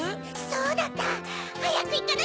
そうだった！